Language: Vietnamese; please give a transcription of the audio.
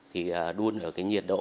thì đun ở cái nhiệt độ